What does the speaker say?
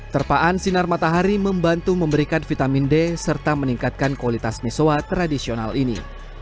terpaan sinar matahari membantu memberikan vitamin d serta meningkatkan kualitas misoa tradisional ini